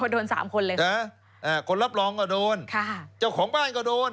โดนสามคนเลยนะคนรับรองก็โดนค่ะเจ้าของบ้านก็โดน